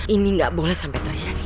ini gak boleh sampai tersyari